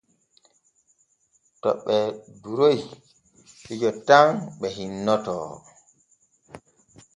To ɓe duroy fijo tan ɓe hinnantoo.